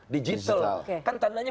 digital kan tandanya